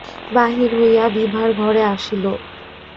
বাহির হইয়া বিভার ঘরে আসিল।